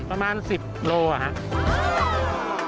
ประมาณ๑๐โลอะครับ